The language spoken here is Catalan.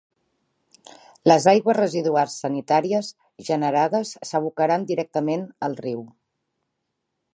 Les aigües residuals sanitàries generades s'abocaran directament al riu.